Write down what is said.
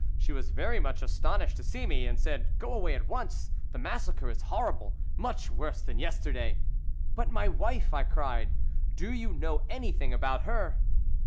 She was very much astonished to see me, and said, 'Go away at once; the massacre is horrible, much worse than yesterday.' "'But my wife,' I cried, 'do you know anything about her?